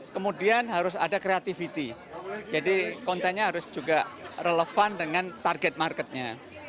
kemudian harus ada creativity jadi kontennya harus juga relevan dengan target marketnya